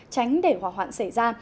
tránh để hỏa hoạn xảy ra